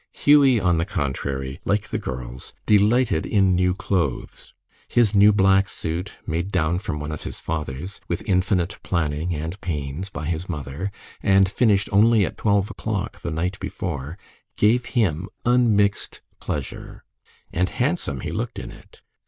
Hughie, on the contrary, like the girls, delighted in new clothes. His new black suit, made down from one of his father's, with infinite planning and pains by his mother, and finished only at twelve o'clock the night before, gave him unmixed pleasure. And handsome he looked in it.